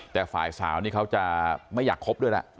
แต่ฝ่ายสาวนี่เขาจะไม่อยากคบด้วยล่ะ